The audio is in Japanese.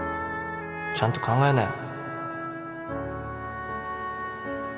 ちゃんと考えなよ